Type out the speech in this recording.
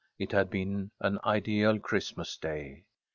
It had been an ideal Christmas Day.